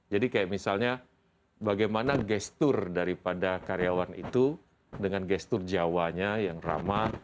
jadi kayak misalnya bagaimana gestur daripada karyawan itu dengan gestur jawanya yang ramah